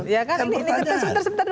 ya kan ini tersebut dulu